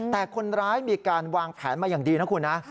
แต่คนร้ายมีการวางแผนมาอย่างดีนะคุณนะ